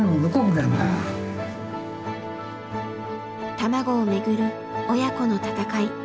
卵をめぐる親子の闘い。